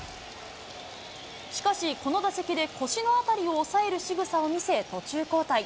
しかし、この打席で腰の辺りを押さえるしぐさを見せ、途中交代。